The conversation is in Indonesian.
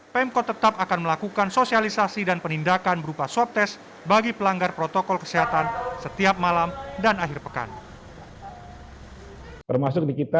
pemkot tetap akan melakukan sosialisasi dan penindakan berupa sosialisasi